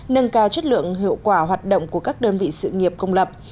nâng cao chất lượng hiệu quả hoạt động của các đơn vị sự nghiệp công lập